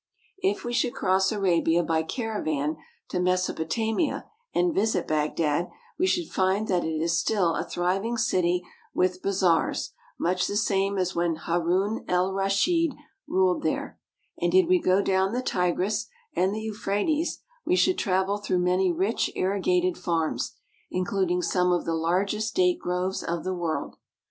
If we should cross Arabia by caravan to Mesopotamia and visit Bagdad, we should find that it is still a thriving city with baziars, much the same as when Haroun Al Raschid ruled there ; and did we go down the Tigris and the Euphrates, we should travel through many rich, irrigated farms, including some of the largest date groves of the world.